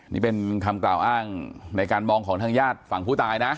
นี่เป็นคำกล่าวอ้างในการมองของทางญาติฝั่งผู้ตายนะ